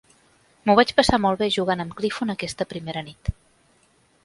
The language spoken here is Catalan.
M'ho vaig passar molt bé jugant amb Clifton aquesta primera nit.